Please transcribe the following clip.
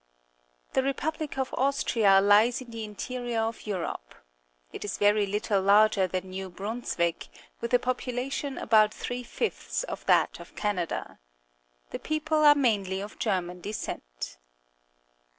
— The re public of Austria lies in the interior of Europe. It is very little larger than New Brunswick, with a population about three fifths of that of Canada. The people are mainly of German descent.